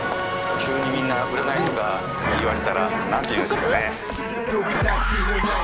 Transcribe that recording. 急にみんな占いとか言われたら何て言うんですかね？